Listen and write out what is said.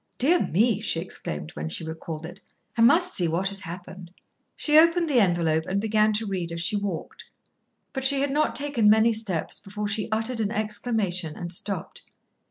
"Dear me!" she exclaimed when she recalled it. "I must see what has happened." She opened the envelope and began to read as she walked; but she had not taken many steps before she uttered an exclamation and stopped.